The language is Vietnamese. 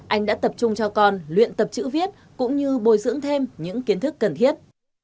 anh đã tập trung cho con luyện tập chữ viết cũng như bồi dưỡng thêm những kiến thức cần thiết